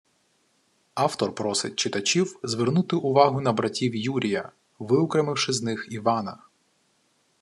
Автор просить читачів звернути увагу на братів Юрія, виокремивши з них Івана